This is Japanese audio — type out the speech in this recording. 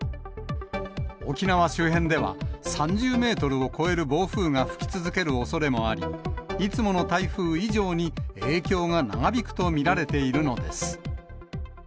沖縄周辺では、３０メートルを超える暴風が吹き続けるおそれもあり、いつもの台風以上に影響が長引くと見られているのです。